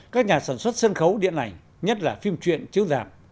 các nhà sản xuất sân khấu điện ảnh nhất là phim truyện chữ giảp